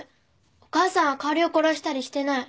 お母さんはかおりを殺したりしてない。